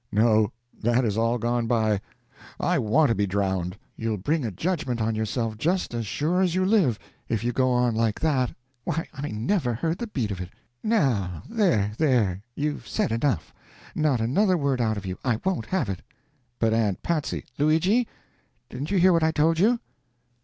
No, that is all gone by; I want to be drowned." "You'll bring a judgment on yourself just as sure as you live, if you go on like that. Why, I never heard the beat of it. Now, there there! you've said enough. Not another word out of you I won't have it!" "But, Aunt Patsy " "Luigi! Didn't you hear what I told you?"